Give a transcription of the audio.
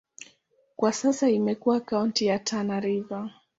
Kwa sasa imekuwa kaunti ya Tana River.